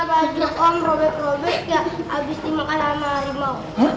baju om robek robek ya abis dimakan sama rimau